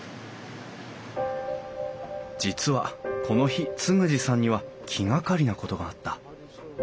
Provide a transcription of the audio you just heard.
実はこの日嗣二さんには気がかりなことがあった。